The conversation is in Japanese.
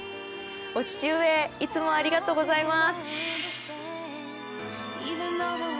お父上いつもありがとうございます。